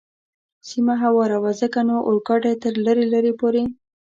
سیمه هواره وه، ځکه نو اورګاډی تر لرې لرې پورې.